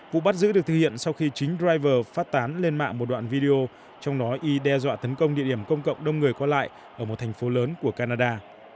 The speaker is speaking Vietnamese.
vụ bắt giữ được thực hiện sau khi chính river phát tán lên mạng một đoạn video trong đó y đe dọa tấn công địa điểm công cộng đông người qua lại ở một thành phố lớn của canada